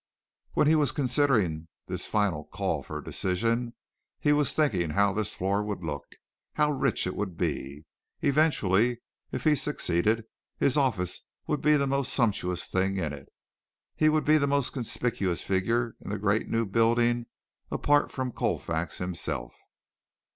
When he was considering this final call for a decision he was thinking how this floor would look how rich it would be. Eventually, if he succeeded, his office would be the most sumptuous thing in it. He would be the most conspicuous figure in the great, new building, apart from Colfax himself.